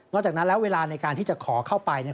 จากนั้นแล้วเวลาในการที่จะขอเข้าไป